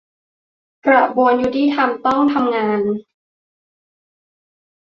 กระบวนยุติธรรมต้องทำงาน